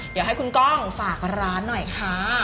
เดี๋ยวให้คุณก้องฝากร้านหน่อยค่ะ